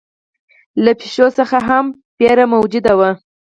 له پېشوا څخه هم وېره موجوده وه.